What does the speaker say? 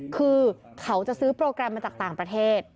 คือเขาจะซื้อโปรแกรมมาจากต่างประเทศ